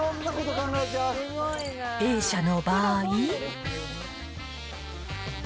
Ａ社の場合。